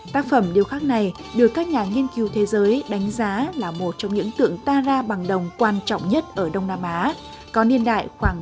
tác phẩm điều khác này được các nhà nghiên cứu thế giới đánh giá là một trong những tượng tara bằng đồng quan trọng nhất ở đông nam á